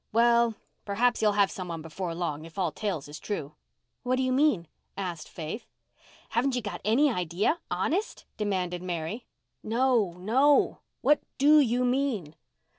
Well, perhaps he'll have some one before long, if all tales is true." "What do you mean?" asked Faith. "Haven't you got any idea—honest?" demanded Mary. "No, no. What do you mean?"